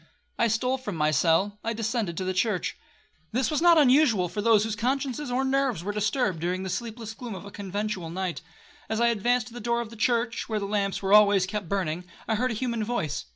I stole from my cell, I descended to the church. This was not unusual for those whose consciences or nerves were disturbed, during the sleepless gloom of a conventual night. As I advanced to the door of the church, where the lamps were always kept burning, I heard a human voice.